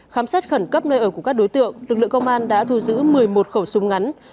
khám xét khẩn cấp nơi ở của các đối tượng lực lượng công an đã thu giữ một mươi một khẩu súng ngắn